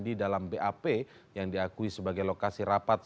di wencanak sudah empat kali di target ilmu